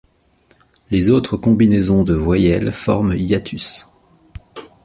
Les autres combinaisons de voyelles forment hiatus.